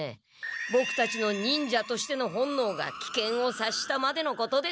ボクたちの忍者としての本のうがきけんをさっしたまでのことです。